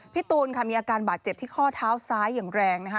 พี่ตูนขามีปาหิดอาการเจ็บที่ค่อเท้าซ้ายอย่างแรงนะฮะ